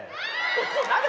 何だ？